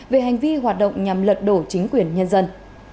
về hành vi hoạt động nhằm lật đổ chính quyền nhân dân